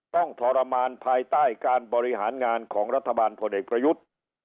ทรมานภายใต้การบริหารงานของรัฐบาลพลเอกประยุทธ์